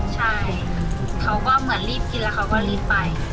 ใช่เขาก็เหมือนรีบกินแล้วเขาก็รีบไป